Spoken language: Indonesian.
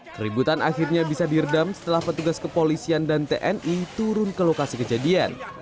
keributan akhirnya bisa diredam setelah petugas kepolisian dan tni turun ke lokasi kejadian